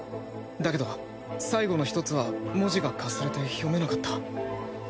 だけど最後の１つは文字がかすれて読めなかった。